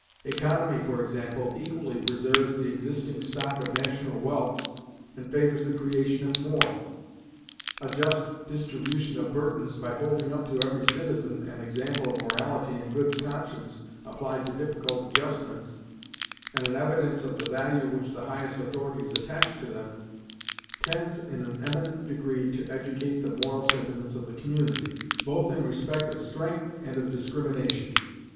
Economy, for example, equally preserves the existing stock of national wealth, and favors the creation of more. A just distribution of burdens, by holding up to every citizen an example of morality and good conscience applied to difficult adjustments, and an evidence of the value which the highest authorities attach to them, tends in an eminent degree to educate the moral sentiments of the community, both in respect of strength and of discrimination.